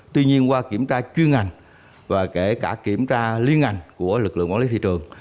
tuy nhiên qua kiểm tra chuyên ngành và kể cả kiểm tra liên ngành của lực lượng quản lý thị trường